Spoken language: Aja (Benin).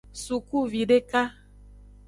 Sukuvideka.